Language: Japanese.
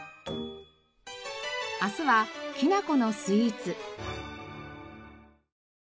明日はきなこのスイーツ。